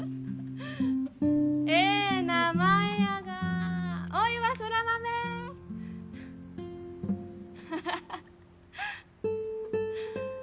ええ名前やがおいは空豆ハハハッ